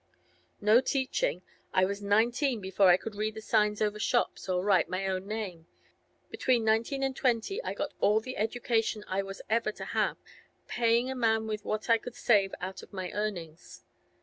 'No teaching. I was nineteen before I could read the signs over shops, or write my own name. Between nineteen and twenty I got all the education I ever was to have, paying a man with what I could save out of my earnings.